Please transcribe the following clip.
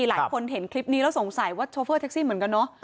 หลายคนเห็นคลิปนี้แล้วสงสัยว่าโชเฟอร์แท็กซี่เหมือนกันเนอะ